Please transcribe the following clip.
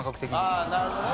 ああなるほどね。